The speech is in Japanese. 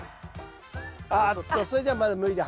あっとそれじゃあまだ無理だ。